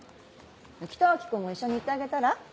北脇君も一緒に行ってあげたら？